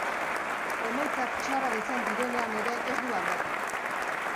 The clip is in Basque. Emaitzak txarrak izan direnean ere ez du aldatu.